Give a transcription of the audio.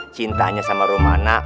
cintanya sama rumana